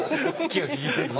気が利いている。